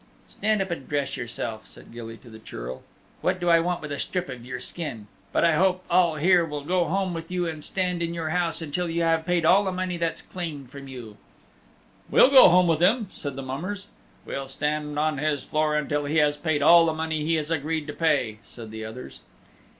"Stand up and dress yourself," said Gilly to the Churl. "What do I want with a strip of your skin? But I hope all here will go home with you and stand in your house until you have paid all the money that's claimed from you." "We'll go home with him," said the mummers. "We'll stand on his floor until he has paid all the money he has agreed to pay," said the others.